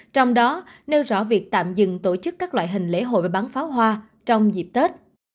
trong đó nêu rõ việc tạm dừng tổ chức các loại hình lễ hội bắn pháo hoa trong dịp tết